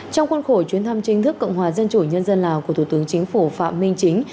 trong khuôn khổ chuyến thăm chính thức cộng hòa dân chủ nhân dân lào của thủ tướng chính phủ phạm minh chính